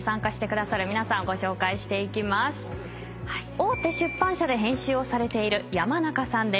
大手出版社で編集をされている山中さんです。